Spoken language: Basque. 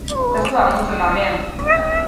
Oraindik ez da istripua izateko arrazoirik ezagutu.